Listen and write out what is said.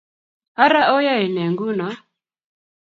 Ara oyaene nguno?